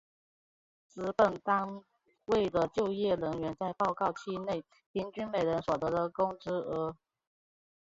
指本单位就业人员在报告期内平均每人所得的工资额。